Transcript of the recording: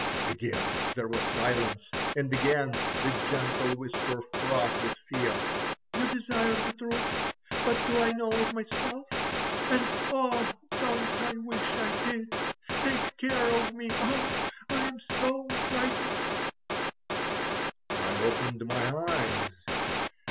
Again there was silence, and again the gentle whisper fraught with fear! "You desire the truth—but do I know it myself? And oh! don't I wish I did? Take care of me; oh! I'm so frightened!" I opened my eyes.